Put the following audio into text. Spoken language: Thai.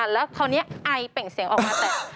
แล้วคราวนี้ไอเปล่งเสียงออกมาแตก